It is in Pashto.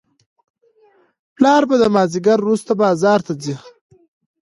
پلار به د مازیګر وروسته بازار ته ځي.